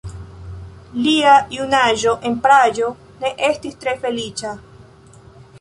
Lia junaĝo en Prago ne estis tre feliĉa.